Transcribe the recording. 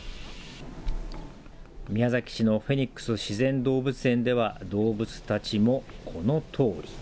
宮崎市のフェニックス自然動物園では動物たちも、このとおり。